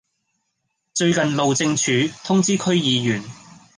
最近路政署通知區議員